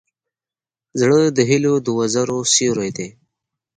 زړه د هيلو د وزرو سیوری دی.